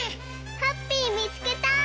ハッピーみつけた！